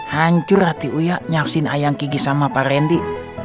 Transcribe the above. hancur hati uya nyaksiin ayang kiki sama pak rendy